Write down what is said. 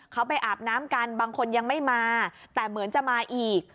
เขาไปอาบน้ำกันบางคนยังไม่มาแต่เหมือนจะมาอีก